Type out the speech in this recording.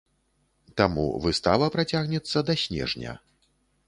Таму выстава працягнецца да снежня.